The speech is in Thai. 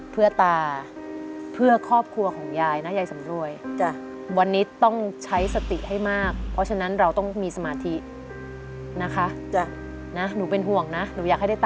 มิยายรู้จักเพลงนี้ไหมคะเคยได้ยินอยู่ค่ะ